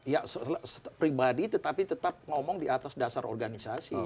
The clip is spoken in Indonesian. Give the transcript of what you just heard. ya pribadi tetapi tetap ngomong di atas dasar organisasi